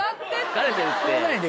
疲れてるって。